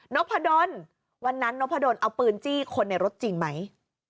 พะดนวันนั้นนพดลเอาปืนจี้คนในรถจริงไหม